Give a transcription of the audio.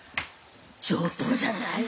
上等じゃない？